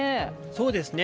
そうですね。